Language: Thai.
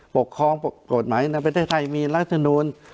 ปกครองกฎหมายในประเทศไทยมีรัฐมนูล